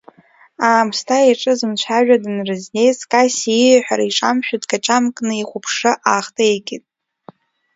Аамсҭа иҿы зымцәажәо данрызнеи, Скасси ииҳәара иҿамшәо, дгачамкны ихәаԥшра аахҭеикит.